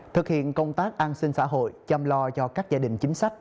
thực hiện công tác an sinh xã hội chăm lo cho các gia đình chính sách